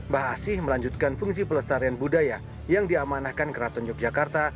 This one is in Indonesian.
mbah asih melanjutkan fungsi pelestarian budaya yang diamanahkan keraton yogyakarta